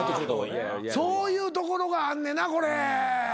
そういうところがあんねんなこれ。